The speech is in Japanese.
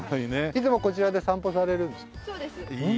いつもこちらで散歩されるんですか？